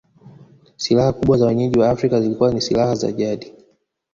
Silaha kubwa za wenyeji wa Afrika zilikuwa ni silaha za jadi